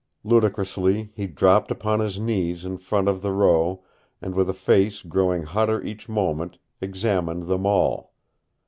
Ludicrously he dropped upon his knees in front of the row and with a face growing hotter each moment examined them all.